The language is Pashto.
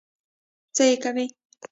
څه يې کوې؟